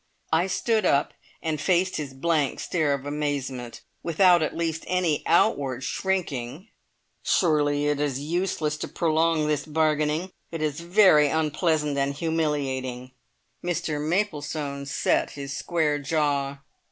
I stood up and faced his blank stare of amazement, without at least any outward shrinking. "Surely it is useless to prolong this bargaining. It is very unpleasant and humiliating." Mr Maplestone set his square jaw.